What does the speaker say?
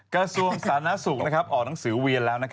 กระทรวงสาธารณสุขออกหนังสือเวียนแล้ว